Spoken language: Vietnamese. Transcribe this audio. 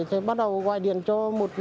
thì bắt đầu gọi điện cho một bốn